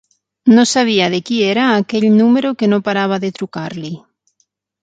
No sabia de qui era aquell número que no parava de trucar-li.